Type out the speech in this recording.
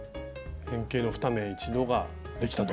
変形の２目一度ができたと。